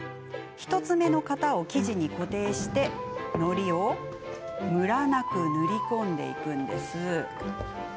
１つ目の型を生地に固定してのりをムラなく塗り込みます。